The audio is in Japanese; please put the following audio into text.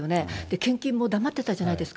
献金も黙ってたじゃないですか。